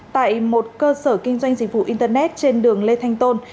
tại một cơ sở kinh doanh dịch vụ internet trên đường lê thanh tôn